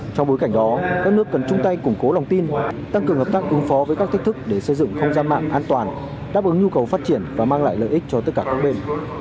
trong bối cảnh đó các nước cần chung tay củng cố lòng tin tăng cường hợp tác ứng phó với các thách thức để xây dựng không gian mạng an toàn đáp ứng nhu cầu phát triển và mang lại lợi ích cho tất cả các bên